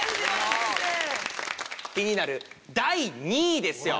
気になる第２位ですよ。